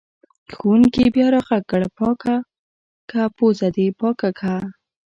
ښوونکي بیا راغږ کړ: پاکه که پوزه دې پاکه که!